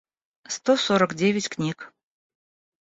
сто сорок девять книг